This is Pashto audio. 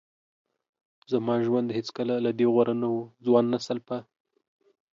زما ژوند هیڅکله له دې غوره نه و. ځوان نسل په